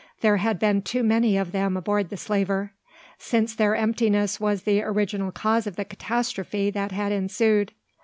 There had been too many of them aboard the slaver: since their emptiness was the original cause of the catastrophe that had ensued.